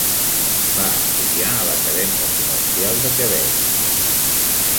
Va estudiar a l'Acadèmia Comercial de Quebec.